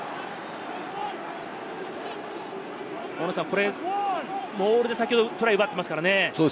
これ、モールで先ほどトライを奪ってますからね。